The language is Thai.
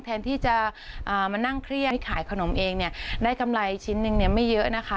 แทนที่จะมานั่งเครียดขายขนมเองเนี่ยได้กำไรชิ้นนึงเนี่ยไม่เยอะนะคะ